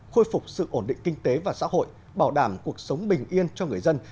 khôi phục sự ổn định kinh tế và xã hội bảo đảm cuộc sống bình yên cho người dân